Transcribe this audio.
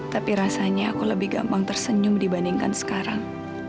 tapi rasanya aku lebih gampang tersenyum dibandingkan sekarang